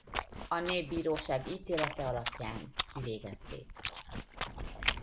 A Népbíróság ítélete alapján kivégezték.